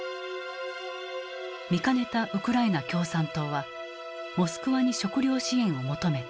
見かねたウクライナ共産党はモスクワに食糧支援を求めた。